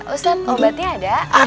ustadz obatnya ada